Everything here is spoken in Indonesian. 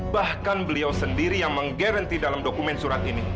bahkan beliau sendiri yang mengganti dalam dokumen surat ini